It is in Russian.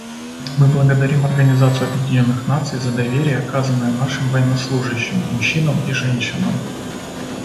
Мы благодарим Организацию Объединенных Наций за доверие, оказанное нашим военнослужащим — мужчинам и женщинам.